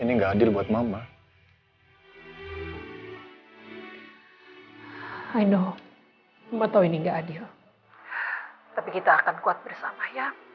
kami akan melakukan apa biasa untuk memperbaiki kehidupan keadaan kita